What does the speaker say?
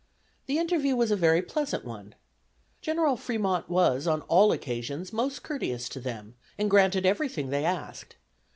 The interview was a very pleasant one. General Fremont was on all occasions most courteous to them, and granted everything they asked.